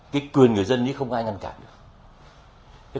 cái quyền người dân không ai ngăn cản được